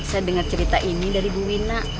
saya dengar cerita ini dari bu wina